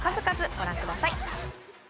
ご覧ください。